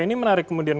ini menarik kemudian